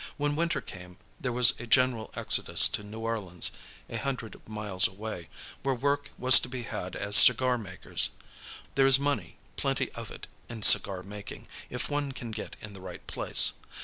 When winter came, there was a general exodus to New Orleans, a hundred miles away, where work was to be had as cigar makers. There is money, plenty of it, in cigar making, if one can get in the right place.